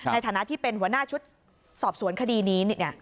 ในฐานะที่เป็นหัวหน้าชุดสอบสวนคดีนี้